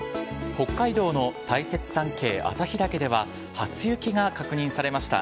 北海道の大雪山系旭岳では、初雪が確認されました。